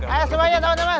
ayo semuanya teman teman